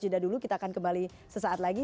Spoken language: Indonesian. jeda dulu kita akan kembali sesaat lagi